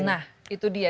nah itu dia